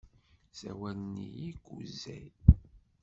Ssawalen-iyi Kuzey.